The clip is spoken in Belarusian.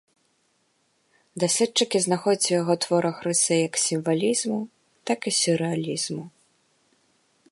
Даследчыкі знаходзяць у яго творах рысы як сімвалізму, так і сюррэалізму.